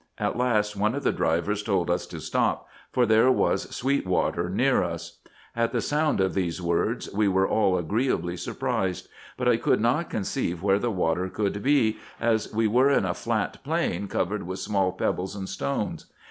At last one of the drivers told us to stop, for there was sweet water near us. At the sound of these words, we were all agreeably surprised ; but I could not conceive where the water could be, as we were in a flat plain, covered with small pebbles and stones.